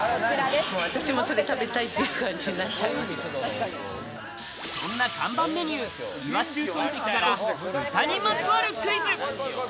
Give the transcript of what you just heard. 私もそれ食べたいっていう感じになっちゃいまそんな看板メニュー、岩中トンテキから、豚にまつわるクイズ。